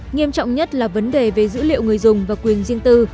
nghiêm trọng nhất là vấn đề về dữ liệu người dùng và quyền riêng tư